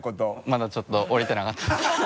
まだちょっとおりてなかったです。